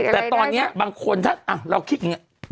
แต่ตอนนี้ตอนนี้อ่ะเราคิดอย่างงี้อ่ะ